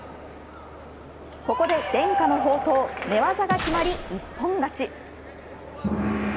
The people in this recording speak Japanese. ここで伝家の宝刀寝技が決まり一本勝ち。